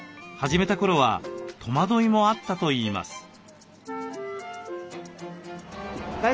始めた頃は戸惑いもあったといいます。